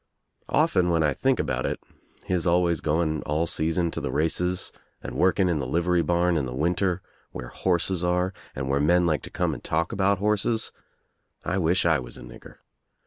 Often when I think about it, his always going all season to the races and working in the livery bam in the winter where horses are and where men like to come and talk about horses, I wish I was a nigger.